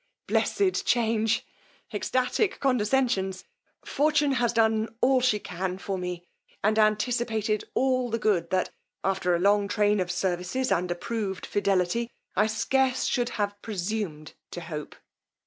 Blessed change! Extatic condescensions! Fortune has done all she can for me, and anticipated all the good that, after a long train of services and approved fidelity, I scarce should have presumed to hope!